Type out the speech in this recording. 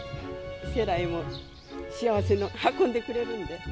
世羅にも幸せを運んでくれるんで。